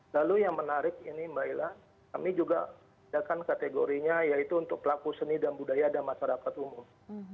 lalu yang menarik ini mbak ila kami juga adakan kategorinya yaitu untuk pelaku seni dan budaya dan masyarakat umum